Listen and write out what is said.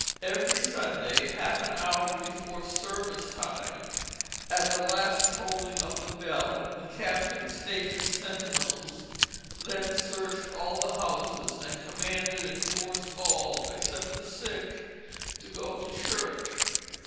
Every Sunday, half an hour before service time, at the last tolling of the bell, the captain stationed sentinels, then searched all the houses and commanded and forced all (except the sick) to go to church.